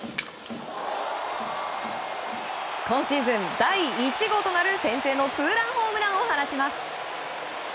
今シーズン第１号となる先制のツーランホームランを放ちます。